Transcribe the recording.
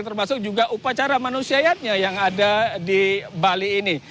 termasuk juga upacara manusia yatnya yang ada di bali ini